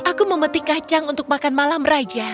aku memetik kacang untuk makan malam raja